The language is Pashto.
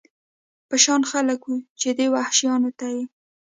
په شان خلک و، چې دې وحشیانو ته یې.